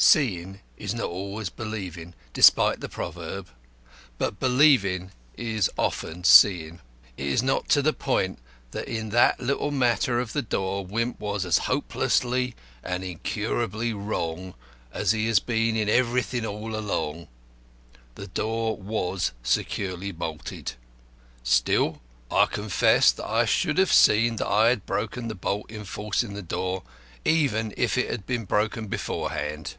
Seeing is not always believing, despite the proverb; but believing is often seeing. It is not to the point that in that little matter of the door Wimp was as hopelessly and incurably wrong as he has been in everything all along. The door was securely bolted. Still I confess that I should have seen that I had broken the bolt in forcing the door, even if it had been broken beforehand.